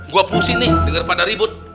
gue pusing nih denger pada ribut